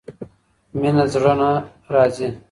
مينه د زړه نه راځي.